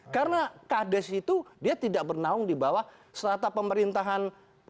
karena kdes itu dia tidak bernahung di bawah serata pemerintahan